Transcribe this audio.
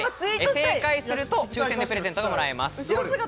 正解すると抽選でプレゼントがもらえます。